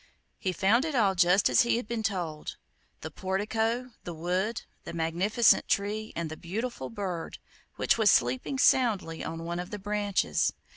He found it all just as he had been told: the portico, the wood, the magnificent tree, and the beautiful bird, which was sleeping soundly on one of the branches.